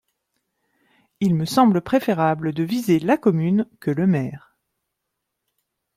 Il me semble préférable de viser la commune que le maire.